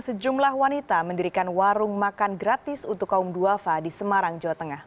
sejumlah wanita mendirikan warung makan gratis untuk kaum duafa di semarang jawa tengah